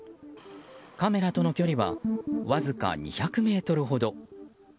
カメラとの距離はわずか２００ｍほど。